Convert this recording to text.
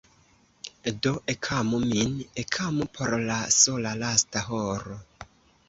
Do ekamu min, ekamu por la sola lasta horo.